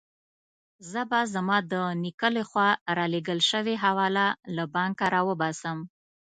زه به زما د نیکه له خوا رالېږل شوې حواله له بانکه راوباسم.